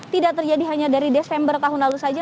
tidak terjadi hanya dari desember tahun lalu saja